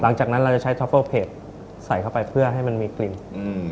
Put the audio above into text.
หลังจากนั้นเราจะใช้ทอฟเฟอร์เผ็ดใส่เข้าไปเพื่อให้มันมีกลิ่นอืม